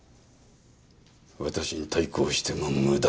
私に対抗しても無駄だ。